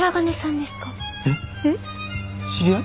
知り合い？